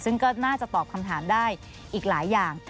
ซึ่งก็น่าจะตอบคำถามได้อีกหลายอย่าง